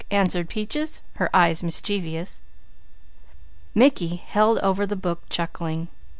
answered Peaches, her eyes mischievous. Mickey held over the book chuckling.